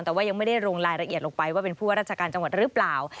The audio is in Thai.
แต่ว่ายังไม่ได้ลงรายละเอียดลงไปว่าเป็นผู้ว่าราชการจังหวัดหรือเปล่า